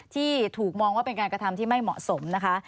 ที่ถูกมองว่าเป็นการกระทำที่ไม่เหมาะสมนะคะ